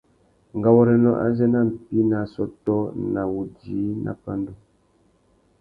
Ngáwôrénô azê na mpí nà assôtô na wudjï nà pandú.